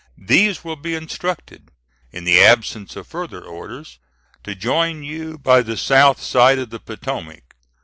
These will be instructed, in the absence of further orders, to join you by the south side of the Potomac.